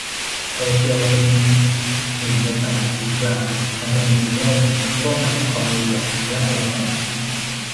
โตเกียวเป็น หนึ่ง ใน สาม ศูนย์กลางทางการเงินของโลกร่วมกับนครนิวยอร์กและลอนดอน